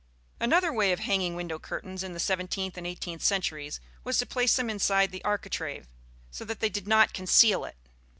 Another way of hanging window curtains in the seventeenth and eighteenth centuries was to place them inside the architrave, so that they did not conceal it.